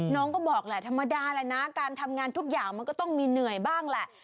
น้องก็บอกแบบธรรมดาและวันทุกอย่างก็ต้องมีเหนื่อยบ้าง